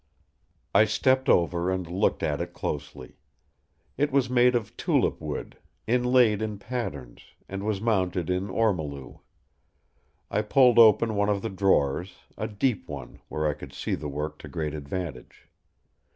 I stepped over and looked at it closely. It was made of tulip wood, inlaid in patterns; and was mounted in ormolu. I pulled open one of the drawers, a deep one where I could see the work to great advantage.